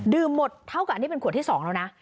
หมดเท่ากับอันนี้เป็นขวดที่๒แล้วนะ